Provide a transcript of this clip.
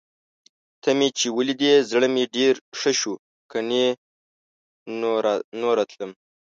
ته مې چې ولیدې، زړه مې ډېر ښه شو. کني نوره تلم.